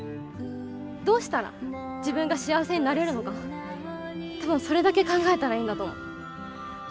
どうしたら自分が幸せになれるのか多分それだけ考えたらいいんだと思う。